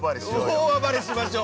◆大暴れしましょう。